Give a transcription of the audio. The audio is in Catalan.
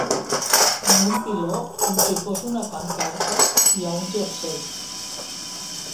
En un piló, com si fos una pancarta, hi ha un jersei.